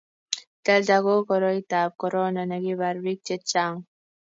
delta ko koroitab korona ne kibar biik che chang'